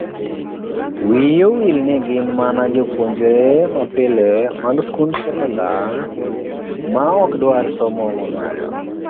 Wigi owil ni gin mana jopuonjre mapile mag skund sekondari maok dwar somo mamalo.